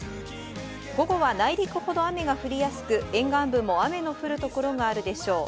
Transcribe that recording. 午後は内陸ほど雨が降りやすく、沿岸部も雨の降る所があるでしょう。